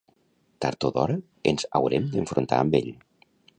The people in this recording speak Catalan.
Tard o d'hora ens haurem d'enfrontar amb ell.